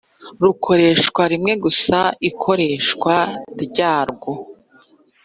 rukoreshwa rimwe gusa Ikoreshwa ryarwo